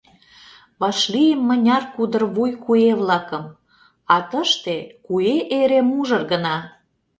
Вашлийым мыняр кудыр вуй куэ-влакым, А тыште куэ эре мужыр гына.